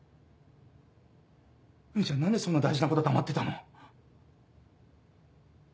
フミちゃん何でそんな大事なこと黙ってたの？